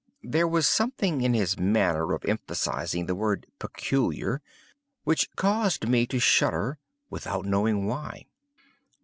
There was something in his manner of emphasizing the word "peculiar," which caused me to shudder, without knowing why.